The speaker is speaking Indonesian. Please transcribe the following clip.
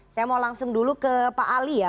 saya mau langsung dulu ke pak ali ya